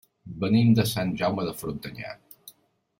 Venim de Sant Jaume de Frontanyà.